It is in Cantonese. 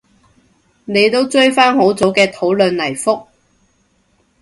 你都追返好早嘅討論嚟覆